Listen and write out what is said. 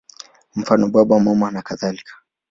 Mfano: Baba, Mama nakadhalika.